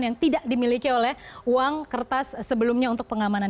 yang tidak dimiliki oleh uang kertas sebelumnya untuk pengamanan